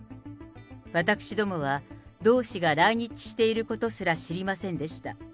私どもは、同氏が来日していることすら知りませんでした。